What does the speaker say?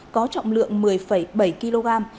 có trọng lượng một mươi bảy kg